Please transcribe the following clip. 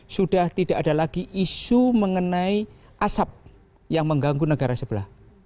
sudah tidak ada lagi isu mengenai asap yang mengganggu negara sebelah